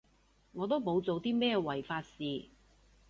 我都冇做啲咩違法事